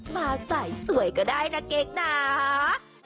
มาสายสวยก็ได้นะเก๊กนะ